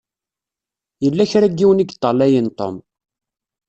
Yella kra n yiwen i yeṭṭalayen Tom.